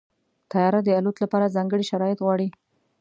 طیاره د الوت لپاره ځانګړي شرایط غواړي.